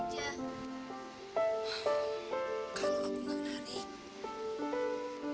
kalau aku gak larik